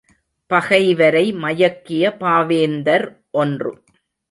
பகைவரை மயக்கிய பாவேந்தர் ஒன்று.